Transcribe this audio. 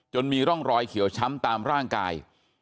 มีร่องรอยเขียวช้ำตามร่างกาย